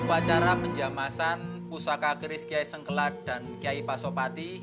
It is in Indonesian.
upacara penjamasan pusaka keris kiai sengkelat dan kiai pasopati